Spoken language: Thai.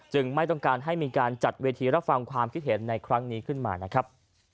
ไม่ต้องการให้มีการจัดเวทีรับฟังความคิดเห็นในครั้งนี้ขึ้นมานะครับ